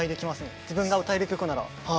自分が歌える曲なら。